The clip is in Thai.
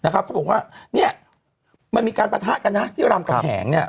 เขาบอกว่ามันมีการปะทะกันนะที่รามกำแหง